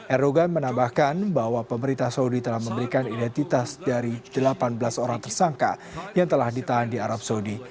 errogan menambahkan bahwa pemerintah saudi telah memberikan identitas dari delapan belas orang tersangka yang telah ditahan di arab saudi